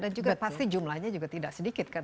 dan juga pasti jumlahnya juga tidak sedikit kan